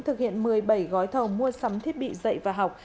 thực hiện một mươi bảy gói thầu mua sắm thiết bị dạy và học